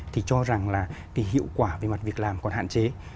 thì cho rằng là cái hiệu quả về mặt việc làm còn hạn chế